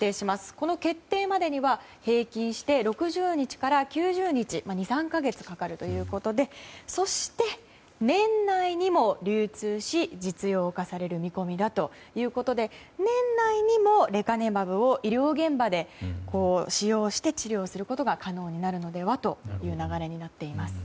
この決定までには平均して６０日から９０日２３か月かかるということでそして年内にも流通し実用化される見込みということで年内にもレカネマブを医療現場で使用して治療することが可能になるのではという流れです。